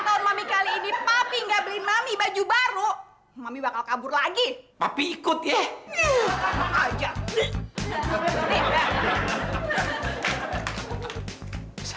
tony kamu mau pergi sama zarina ya